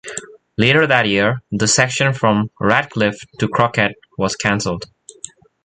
Later that year, the section from Ratcliff to Crockett was cancelled.